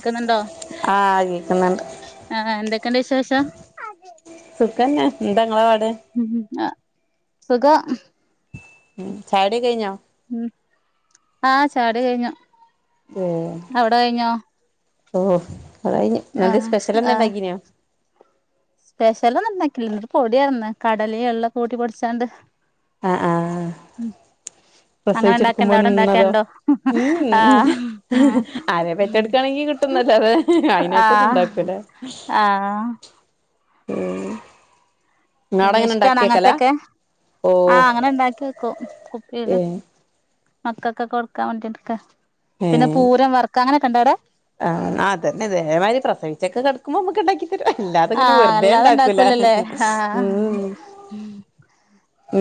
ക്കുന്നുണ്ടോ ആ കേക്കുന്നുണ്ട് ആഹ് എന്തൊക്കെയുണ്ട് വിശേഷം സുഖന്നാ എന്താങ്ങളെ പാട് അ സുഖ ഉം ചായുടിയൊക്കെ കൈഞ്ഞോ ഉ ആഹ ചായടി കഴിഞ്ഞു അവിടെ കഴിഞ്ഞോ ഓ അതയ്ഞ്ഞു നന്റെ ആഹ് സ്പെഷ്യൽ ആഹ് എന്താണ്ടാക്കീനോ സ്പെഷ്യലൊന്നും ഉണ്ടാക്കില്ല ഒരു പൊടിയായിര് ന്ന് കടലിം എള്ളൊക്കെ കൂട്ടി പൊടി പൊടിച്ചാണ്ട് ആഹ ആഹ ഉം അങ്ങനെ പ്രസവിച്ചെ ഉണ്ടാക്കണ്ടോ എടുക്കുമ്പോ അവിടെ നിന്നതോ ഉണ്ടാക്കണ്ടോ ഉം ഹും ആഹ് ആരെ പെറ്റെടുക്കയാണെങ്കി കി- ട്ടുന്നതെ അയിനായിട്ടൊന്നും ആഹ് ഉണ്ടാക്കൂല്ലെ ആഹ് ഇങ്ങളവിടെ പിന്നെ എങ്ങനെ ഇഷ്ടാണോ ഇണ്ടാക്കിയേക്കലാ അങ്ങനത്തൊക്കെ ആഹ ഓഹ് അങ്ങനെ ഇണ്ടാക്കി വെക്കും കുപ്പീല് ഏഹ് മക്കൾക്കൊക്ക കൊടുക്കാൻ വേണ്ടിക്ക പിന്നെ പൂരം വർക്ക അങ്ങനെൊക്കെ ഇണ്ടോ അവിടെ ആ അതന്നെ അതേമാതിരി പ്രസവിച്ചൊക്കെ കടക്കുമ്പോനമ്മക്ക് ഉണ്ടാക്കി തരു അല്ലാതെ ഇങ്ങനെ ആഹ് വെറുതെ അല്ലാതെ ഉണ്ടാക്കൂല ഉണ്ടാക്കൂലല്ലേ ആഹ് ഉ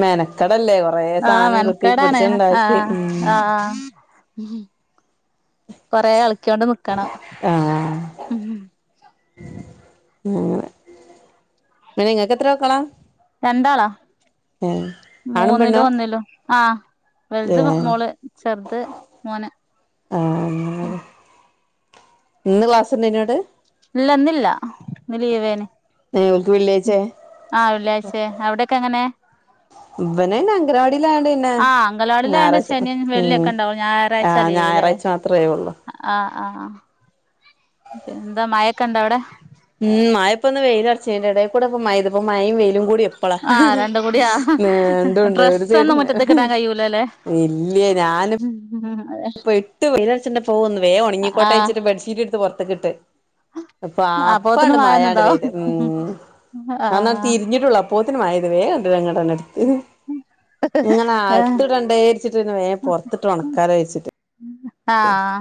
മേനത്തടല്ലേ കുറേ ആഹ മണക്കാടാണ് ആഹ ആഹ കൊറെ അളക്കി യോണ്ട് നിക്കണം ആഹ് ഉം ങ്ങനെ പിനെ നിങ്ങൾക്ക് എത്ര മക്കളാ രണ്ടാളാ ഏഹ് ആണും പെണ്ണോ മൂന്നിലും ഒന്നിലും ആഹ വലുത് ഏഹ് മോള് ചെറുത് മോന് ആ അങ്ങെനെ ഇന്ന് ക്ലാസ്സ് ഉണ്ടായിരുന്നോ ന്നട്ട് ഇല്ലന്നില്ല ഇന്ന് ലീവേനി ഏ ഓർക്ക് വെള്ളേച്ചേ ആ വെള്ളിയാഴ്ചേ അവിടെയൊക്കെ എങ്ങനെ ഇവന്നെ അംഗനവാടിയിലയോണ്ട് പിന്നെ ആഹ് അങ്കലവാടിയിലായോണ്ട് ഞായറാഴ് ശനിയും ഉ വെള്ളിയൊക്കെ ഉണ്ടാവും ആ ഞായറാഴ്ച ലീവ്ല്ലേ ഞായറാഴ്ച്ച മാത്രം അത്രയേ ഒ ള്ളൂ ആഹ് ആഹ് ആ പിന്ന എന്താ മഴൊക്കെ ഇണ്ടോ അവിടെ ഉം മായപ്പൊന്ന് വെയിലൽടച്ചിന്റെ ഇടൽ കൂടെപ്പ മഴയ്തു ഇപ്പ മയും വയിലും കൂടി പ്പള ആഹ് രണ്ടും കൂടിയാ എണ്ടണ്ട് ഒരു ഡ്രസ്സൊന്നും ചൈടന്ന് മുറ്റത്ത്ക്കിടാൻ ഇല്ലയേ ഞാനുംപ്പൊ ഉം അതേ ഇപ്പ എട്ട് വെയിലർച്ചുണ്ട് പോകുന്നു വേ ഒണങ്ങിക്കോട്ട ആഹ് വിചാരിച്ചു ബെഡ്ഷീറ്റ് എടുത്ത് പുറത്ത് കിട്ട് അപ്പൊ ആ അപ്പോത്തിന് അപ്പാണ് മായാണ് വായന്നതാവും പെയ്തു ഉ ആഞാൻ ആഹ് തിരിഞ്ഞിട്ടുള്ളൂ അ പോത്തിനുംമായയത് വേ കണ്ടങ്ങടന്നെടുത്ത് ഇങ്ങനെ ഏഹ് അകത്ത് ഇടണ്ടേച്ചിട്ട് വേം പുറത്തിട്ട് ഉണക്കാലോ വെച്ചിട്ട് ആഹ്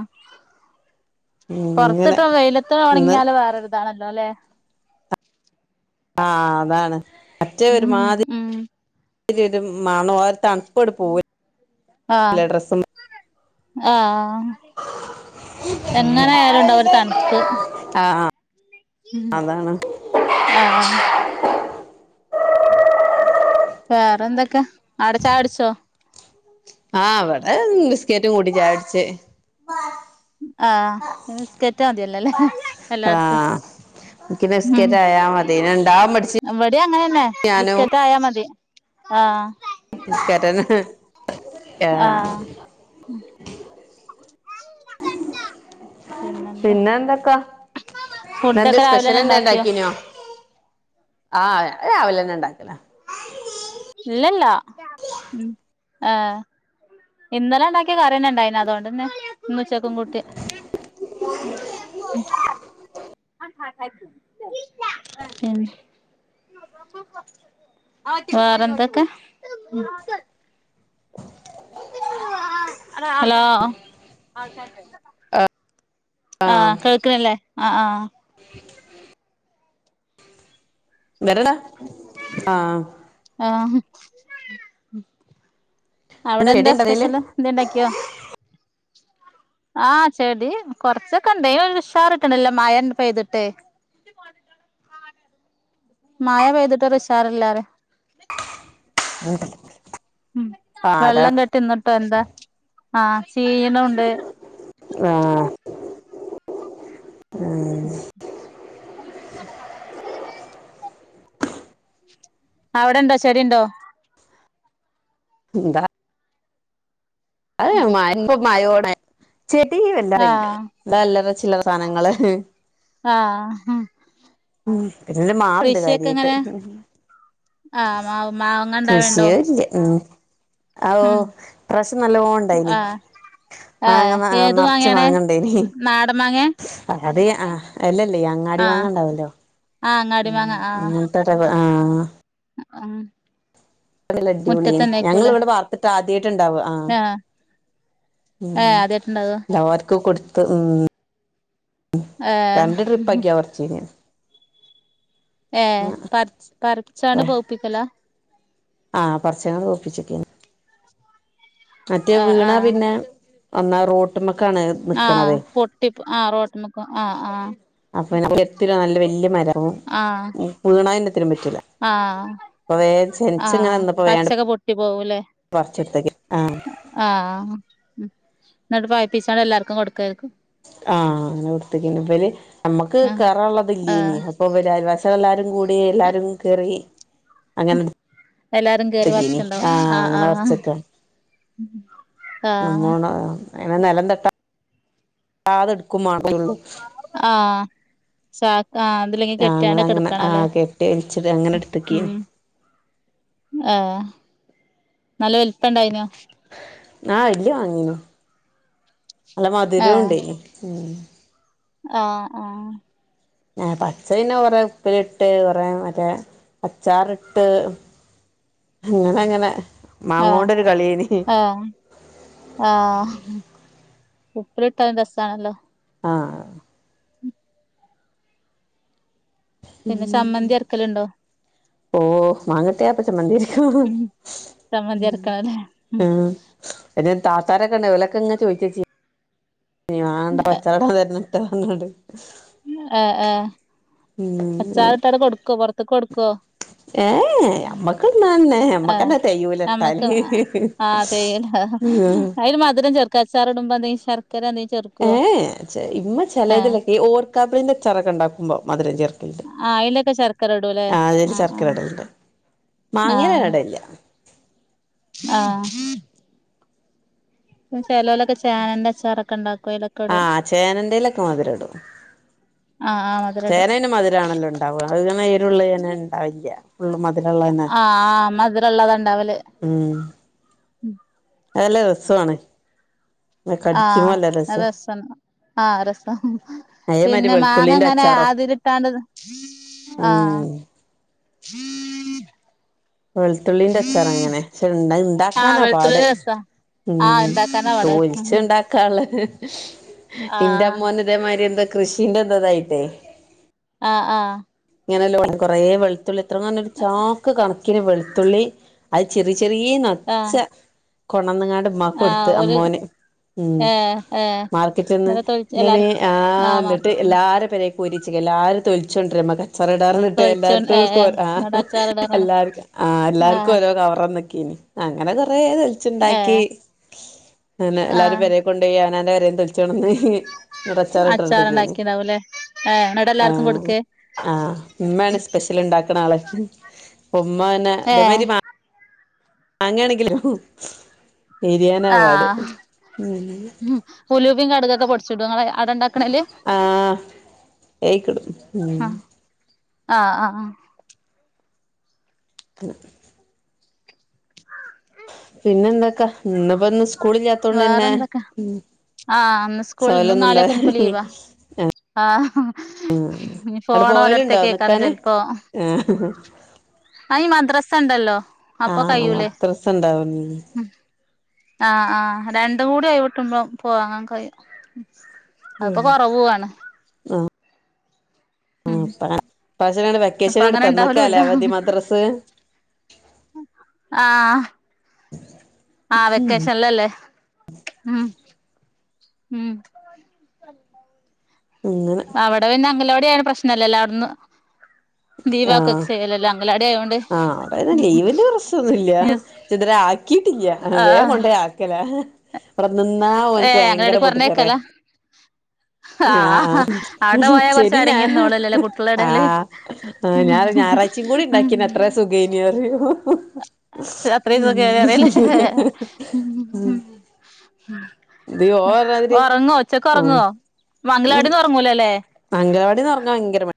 ഇങ്ങനെ പൊറത്തിട്ട വെയിലത്ത് ഇന്ന് ഒണങ്ങിയാല് വേറൊരുതാണല്ലോ അല്ലെ ആ അതാണ് മറ്റേ ഉം ഒരുമാതി ഉം രി ഒരു മണും തണുപ്പട് പോയി ആഹ് ആഹ് എങ്ങനൊയാലും ഉണ്ടാവും ഒര് തണ്പ്പ് ആ ആഹ് ആഹ് അതാണ് ആഹ് ആഹ് വേറെ എന്തൊക്കെ. ആരാ ചായുട്ച്ചൊ? ആഹ് വടെ ബിസ്കേറ്റും കൂട്ടി ചായുട് ച്ച്. ആഹ്. ബിസ്കേറ്റ് മതിയല്ലൊലെ എല്ലാർക്കും. ഇക്ക് ബിസ്കേറ്റ് ആയാ മതി. ഇണ്ടാവാൻ പഠിച്ച് വെടിം അങ്ങനെന്നെ. ഞാനും ബിസ്കേറ്റ് ആയാ മതി. ആഹ് ബിസ്‌കേറ്റെന്നെ. ഏഹ് ആഹ് പിന്നെന്താ പിന്നെ എന്തക്കാ. ന്നെന്തെ ഫുഡൊക്കെ രാവിലെന്നെ സ്പെഷ്യലെന്തേം ഇണ്ടാക്കിയോ ണ്ടാക്കീനൊ? ആഹ്. അത് രാവിലെന്നെ ണ്ടാക്കലാ. ഇല്ലല്ലാ. ഏഹ് ഇന്നലെ ണ്ടാക്കിയ കറിയെന്നെണ്ടായിന അതോണ്ടെന്നെ ഇന്ന് ഉച്ചക്കും കൂട്ട്യെ. ഉം വേറെന്തൊക്കെ? ഹലോ ആ ആഹ് കേക്ക്ൺല്ലെ. ആഹ് ആഹ് വെര്ടെ ആഹ് ആഹ് [unintelligible] അവ്ടെ എന്താ സ്പെഷ്യല്. എന്തേ ണ്ടാക്കിയൊ? അ ആഹ് ചെടി കൊർച്ചൊക്കെണ്ട്. ഒര് ഉഷാറ്ട്ട്ണ് ല്ല. മഴൻ പെയ്ത് ട്ടെ. അ മഴ പെയ്തിട്ടൊര് ഉഷാറില്ലാറിയാ. ഉം ഉം. വെള്ളം കെട്ടിന്ന്ട്ടൊ എന്താ ആഹ് ചീയ്യ്ണൂണ്ട്. ആഹ്. ഉം [unintelligible] അവ്ടെണ്ടൊ. ചെടിണ്ടോ? ന്താ അത് മഴ [unintelligible] മയോടെ. ചെടി വല്ലാതെയില്ലാ. ആഹ് ള്ളെ അല്ലറ ചില്ലറ സാനങ്ങള് ആഹ് ഉം. പിന്നൊര് മാവ്ണ്ട് കൃഷിയൊക്കെ കാര്യായിട്ട്. എങ്ങനെ ആഹ് മാവ് മാങ്ങ ഇണ്ടാവേണ്ടോ കൃഷിയേ ഇല്ല്യ. ഉം ആവൂ. ഉം ഇ പ്രാശ്യം നല്ലോൺ ണ്ടായിനി. ആഹ് മങ്ങമ്മ ആഹ് നർച്ച് മാങ്ങ ണ്ടെയ്നി. നാടം മാങ്ങെ? അത് ആഹ് എല്ലല്ലേയ് അങ്ങാടി ആഹ് മാങ്ങണ്ടാവൊല്ലൊ. ആഹ് അങ്ങാടി ഉം മാങ്ങ അങ്ങൻത്തൊര് വ ആഹ് ആഹ് അത് നല്ല അടിപൊളി യേനി. ഞങ്ങള് മുറ്റത്തന്നേക്കൂലേ വ്ടെ പാർത്ത്ട്ട് ആദ്യായിട്ട്ണ്ടാവാ. ആഹ് ഉം ഏഹ് ഉം. ആദ്യായിട്ട്ണ്ടാവാ തെവാർക്കും കൊട്ത്ത്. ഉം ഉം. ഏഹ് രണ്ട് ട്രിപ്പാക്കിയാ പർച്ചീനെ. ഏഹ്. പർച്ച് പർച്ചാണ് പൗപ്പിക്കലാ? ആഹ് പർച്യാണ്ട് പൗപിച്ചി ക്കേനി. മറ്റേ ആഹ് വീണാ ആഹ് പിന്നെ. ഒന്നാ റോട്ട്മക്കാണ് ആഹ് പൊട്ടി പ് ആ റോട്ടമ്ക്ക് ആ ആ അപ്പൊ നമുക്ക് എത്തില്ല നല്ല വല്ല്യ മരാവും ആഹ് വീണാ എല്ലത്തിനും പറ്റൂല ആഹ് അപ്പൊ വേം ചെൻച്ചിങ്ങനെ ആഹ് നിന്നപ്പോ വേഅണ്ട് പച്ചക്കെ പൊട്ടി പോവൂലേ പറിച്ചെടുത്തേക്കി ആ ആഹ് ഉം ഇന്നിട്ട് പയ്പ്പീച്ചാണ്ട് എല്ലാർക്കും കൊടുക്കാര്ക്കും ആ അങ്ങനെ കൊടുത്തതിന് ഇവല് നമ്മുക്ക് ആഹ് കേറാള്ളത് ഇല്ലേനി ആഹ് ഇപ്പൊ ഇവല് അയൽവാസികള് എല്ലാരും കൂടി എല്ലാരും കേറി അങ്ങനെ എല്ലാരും കേറി തകിനി പറിച്ച്ണ്ടാവും ആ അങ്ങനെ കൊറച്ചൊക്കെ ഉം ഉം നമ്മോട അങ്ങനെ നെലം തട്ടാ ട്ടാതെ ഇടുക്കും മാണം ആഹ് ചാക്ക് ആ ഇതിലെങ്കി അങ്ങനെ കെറ്റാണ്ട അങ്ങനെ കെടുക്കണല്ലേ ആഹ് കെട്ടി വലിച്ചിട്ട് അങ്ങനെ ഉം എടുത്തക്കേനി ആഹ് നല്ല വലിപ്പണ്ടായിനോ ആ വല്യ മാങ്ങേനു നല്ല മധുരോണ്ടേനു ഉം ആ ആ ആ പച്ചപിന്നെ കൊറേ ഉപ്പിലിട്ട് കൊറേ മറ്റേ അച്ചാറിട്ട് അങ്ങനങ്ങനെ ആഹ് ആഹ് ആഹ് ഉപ്പിലിട്ടതും രസാണല്ലോ ആഹ് പിന്നെ ചമ്മന്തി അരക്കലുണ്ടോ? ഓ മാങ്ങട്ട്യാ അപ്പ ചമ്മന്തിയരക്കും ഉം ചമ്മന്തി അരക്കണം ല്ലേ ഉം ഒരു താത്താരൊക്കെണ്ടാവും ഓലൊക്കെങ്ങനെ ചോയിച്ച് വെച്ചി ഇനി വാണ്ട അച്ചാറിട തരണട്ടോ പറഞ്ഞാണ്ട് അ ആ ഉം അച്ചാറിട്ടാണ്ട് കൊടുക്കോ പൊറ്ത്ത്ക്ക് കൊടുക്കോ? ഏ എ അമ്മക്ക് തിന്നാനെന്നെ അമ്മക്കന്നെ തെയൂല ഇട്ടാല് അതേ അയില് മധുരം ചേർ ക്ക ച്ചാറിടുമ്പ നീ ശർക്കര എന്തെ ചേർ ഏ എ ചെ ഇമ്മ ചെലേതിലൊക്കെ ഈ ഓർക്കാപുളിന്റെച്ചാരൊക്കെ ഉണ്ടാക്കുമ്പോ മധുരം ചേർക്കും ആഹ് അയിലൊക്കെ ശർക്കര ഇടൂല്ലേ ആ അതില് ആഹ് ശർക്കര ആഹ് ഇടലുണ്ട് മാങ്ങേല് ഞാ ആഹ് ഇടലില്ല ആഹ് ഉം ചെലോലൊക്കെ ചേനന്റെ അച്ചാറൊക്കെണ്ടാക്കു അയിലൊ ആ ചേനന്റിലൊക്കെ മധുരം ഇടും ആ ആ മ ചേന പിന്നെ മധിരാണല്ലോണ്ടാവ അത് മെ എരുള്ളിനെ ഇണ്ടാവില്ല്യ ഫുള്ളും മധുരുള്ള തന്നെ മധുരള്ളതന്നെവല് ഉം അതല്ല രസമാണ് കടിക്കുമ്പോ ആഹ് നല്ല രസാ അരസന്ന ആ രസം അതേമാതിരി പിന്നെ മാങ്ങ വെളുത്തുള്ളിന്റെ ഇങ്ങനെ അച്ചാറും അതിരിട്ടാണ്ട് ത ആ ഉം ഹീ വെളുത്തുള്ളിന്റെ അച്ചാറങ്ങനെ പക്ഷെ അ ഉണ്ട് ആഹ് ഇണ്ടാക്കാനാ പാട് വെളുത്തുള്ളിന്റെ രസാ ആഹ് ഉം ഇണ്ടാക്കാനാ പാട് തൊൽച്ചിണ്ടാക്കാള്ളൊരു ഇന്റെ ആഹ് അമ്മോനെ തേമാതിരി എന്താ കൃഷിന്റെ എന്താതായിട്ടേ ആഹ ആഹ ഇങ്ങനെല്ലോ കൊറെ വെളുത്തുള്ളി ഇത്രങ്ങനരു ചാക്ക് കണക്ക വെളുത്തുള്ളി അഹ് ചെറി ചെറിയ ആഹ് [unintelligible] കൊണ്ടന്ന്ങ്ങാണ്ട് ഉമ്മാക്ക് കൊടുത്ത് ആഹ് ഒരു അമ്മോന് ഉം ഏഹ് ഏഹ് മാർക്കറ്റന്ന് ഇന്നലെ തൊഴിച്ച് എല്ലാരും [unintelligible] ആ ആഹ് എന്നിട്ട് മാർക്കത്തിന് എല്ലാര പര രിച്ച എല്ലാരും തൊലിച്ചോണ്ട് രമ്മക്ക് അച്ചാറ് ഇടാർഞ്ഞിട്ട് തൊഴിച്ചോ എല്ലാർക്കും ഏഹ് കേ ഏഹ് എന്നോട് ആഹ് അച്ചാറിടാനാണ് എല്ലാർ ആ എല്ലാർക്കും ആഹ് ഓരോ കവർന്നൊക്കെനി അങ്ങനെ കൊറേ ച്ചുണ്ടാക്കി ഏഹ് അങ്ങനെ എല്ലാരും ആഹ് പേര കൊണ്ടോയി അവനാന്റെ പേരന്ന് തെലിച്ച്ണ്ടോന്ന്, ഇങ്ങട്ട് അച്ചാറി ഇട്ടട്ത്തക്കേനി അച്ചാറുണ്ടാക്കിണ്ടാവൂല്ലേ ഏഹ് എന്നിട്ട് ആ എല്ലാർക്കും കൊടുക്കേ ആ ഇമ്മേണ് സ്പെഷി ല് ഉണ്ടാക്കണ ആള്. ഉമ്മ അഹന്നെ ഇതേ ഏഹ് മാതിരി മ മാങ്ങാണെങ്കില് എരിയാന പാട് ഉലുവിം കടുകൊക്കെ പൊടിച്ച് ച്ച്ടോ നിങ്ങള അവിടെണ്ടാക്ക്ണല്ല്? ആഹ് ഏയ്ക്കിടും ഉം ആഹ ആഹ് ആഹ് പി പിന്നെ എന്താക്കാ ഇന്ന്പ്പോ ഒന്നും സ്കൂളില്ലാത്തോണ്ട് പിന്നെ വേറെന്തൊക്കെ ഉം ആഹ് അന്ന് സ്കൂള് ഇന്നും സോലൊന്നും നാളിം ഒക്കെഞ്ഞ്പ്പോ ഉണ്ടാവില്ല ലീവാ. ആഹ് ഇഞ്ഞ് അവിടെ ഫോണ് പോവലുണ്ടോ ഓലട്ത്തേക്കെകാരം നിക്കാന് ചെലപ്പോ ആഹ് ആ ഈ മദ്രാസ ഉണ്ടല്ലോ ആഹ് മദ്രസ ഉണ്ടാവുർഞ്ഞിനി ഉ ആ ആഹ് രണ്ടും കൂടി ഒഴിവ് കിട്ടുമ്പോം പോവാന് കഴിയും. അതിപ്പോ ഉം കൊറവാണ് ഉം ആഹ് ഇപ്രാവശ്യം അപ്പ വെക്കേഷൻ അങ്ങനെ എടുത്തന്നൊക്കെ ഇണ്ടാവലുല്ല അല്ലേ അവധി മദ്രസ് ആഹ ആഹ് വെക്കേഷൻല്ലല്ലേ ഉ ഉം ഇങ്ങനെ അവിടെ പിന്നെ അംഗലാവാടി ആയോണ്ട് പ്രശ്നല്ലല്ലോ അവിടെന്ന് ആഹ് [unintelligible] ചെയ്യലല്ലോ അംഗലവാടി ആയോണ്ട്. ആഹ് അവിടെന്ന ലീവിന്റെ പ്രശ്നംന്നുല്ല. യെസ് ചിദര ആക്കിട്ടില്ല വേ ആഹ് കൊണ്ടോയി ആക്കല. ഇവിടെ നിന്നാ ഓന്ക്ക് ഏഹ് ഭയങ്കര അംഗലവാടിക്ക് പൊട്ടിത്തറിയ. പറഞ്ഞേക്കലാ ആഹ് ആഹ അവിടെ പോയാ കൊറച്ച് ശനിം അടങ്ങി ഞായറും നിന്നോളൂലല്ലേ കുട്ടികളെടേല് ആഹ് ആ ഞാ ഞായറഴ്ച കൂടിം ഉണ്ടാക്കി അത്ര സുഖേനി അറിയോ. അത്രിം സുഖേനി പറില്ലേ. ഇത് ഓൻ പറഞ്ഞാതിരി ഒറങ്ങോ ഉച്ചക്ക് ഉം ഒറങ്ങോ? അഗലവാടിന്ന് ഒറങ്ങൂലല്ലേ. ർങ്ങാന് ഭയങ്കരമ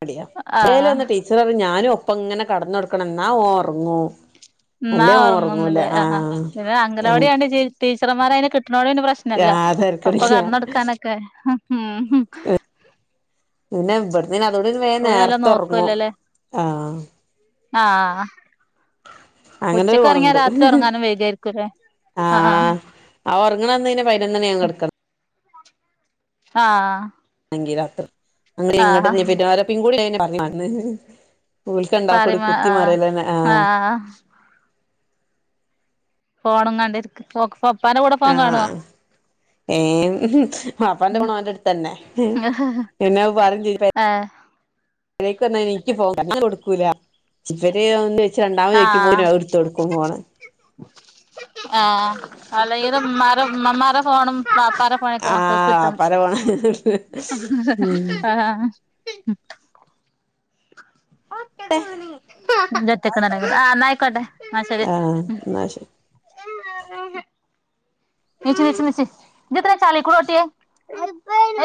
[unintelligible] ഏല ആഹ് ഒന്ന് ടീച്ചർ പറിം ഞാനും ഒപ്പ ഇങ്ങനെ കടന്നൊടുക്കണം എന്നാ ഓന് ഒർങ്ങും. എന്നാ ഒറങ്ങന്നുന്നില്ലേ അഹാ പിന്നെ അങ്കലവാടി ആയോണ്ട് ടീച്ചർമാരേ അയിന് കിട്ട്ണോട് പിന്നെ പ്രശ്നം നല്ല ആഹ് അപ്പൊ തെരക്കടില്ല കട്ന്നെടുക്കാനൊക്കെ. ഉഹ്മ് പിന്നെ ഇവട്ന്ന് [unintelligible] അതോട വേ ഓല് നല്ലോം നേർത്തെ എറ്ങ്ങും നോക്കുവല്ലോല്ലേ ആഹ്. ആഹ്. അങ്ങനൊരു ഉച്ചക്ക് ഒറങ്ങിയാ ഗുണണ്ട് രാത്രി ഒറങ്ങാനും വൈഗായിരിക്കുംല്ലേ? ആഹ്. ആ ഒറങ്ങണന്ന് പിന്നെ പതിനൊന്നു മണിയാകും കടക്കാൻ. ആഹ്. ങ്കിൽ അത്ര അങ്ങനെ ഇങ്ങോട്ട് ആഹ് [unintelligible] പിൻകൂടി [unintelligible] [unintelligible] ഓൾക് രണ്ടാക്കൂടി പറയും കുത്തി ആഹ് മറിലന്നെ ആഹ്. ആഹ്. ഫോണും കണ്ടിരിക്ക പപ്പാന്റെ കൂടെ ഫോൺ കാണുവോ? ആഹ് ഏഹ് ബാപ്പാന്റെ ഫോൺ ഒന്റെ അടുത്ത് തന്നെ. കാണുവോ ഇന്ന പറ ആഹ് ചെയ്യും എനിക്ക് ഫോൺ കൊടുക്കൂല. ഇവര് ഒന്ന് വെച്ച് രണ്ടാമത് ചോക്കുമോ അത് എടുത്തു കൊടുക്കും ഫോണ്. ആഹ് അല്ലെങ്കിൽ ഇമ്മ മാരെ ഫോണും ഇമ്മമ്മാര ഫോണും ബാപ്പരെ. ആഹ് അല്ലെങ്കിലും ഉമ്മമാരെ ഫോണും ബാപ്പാന്റെ ഫോണും മക്കൾക്കു ആഹ് കിട്ടും. വാപ്പാന്റെ ഫോണ് ഉം ഒക്കെ [unintelligible] എന്നാ ആയിക്കോട്ടെന്ന ശെരി. ആഹ് എന്നാ ശരി ണീച്ച ണീച്ച ണീച്ച നീ എന്തിനാ ചളീക്കൂടെ ഓട്ടിയെ